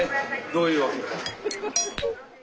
どういうわけか。